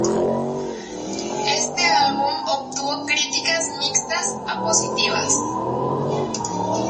Este álbum obtuvo críticas mixtas a positivas.